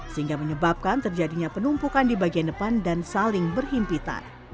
sehingga menyebabkan terjadinya penumpukan di bagian depan dan saling berhimpitan